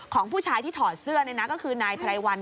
ของผู้ชายที่ถอดเสื้อนี่นะก็คือนายไพรวัล